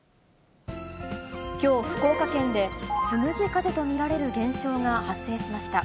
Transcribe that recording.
きょう、福岡県で、つむじ風と見られる現象が発生しました。